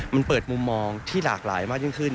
มันเปิดมุมมองที่หลากหลายมากยิ่งขึ้น